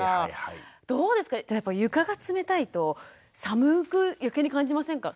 どうですか床が冷たいと寒く余計に感じませんか？